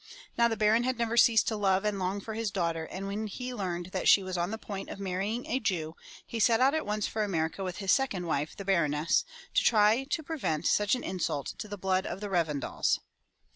Now the Baron had never ceased to love and long for his daughter, and when he learned that she was on the point of marrying a Jew, he set out at once for America with his second wife, the Baroness, to try to prevent such an insult to the blood of the Revendals.